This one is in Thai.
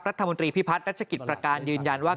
รัฐมนตรีพิพัฒน์รัชกิจประการยืนยันว่า